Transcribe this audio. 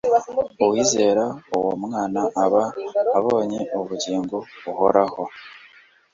Uwizera uwo Mwana, aba abonye ubugingo buhoraho."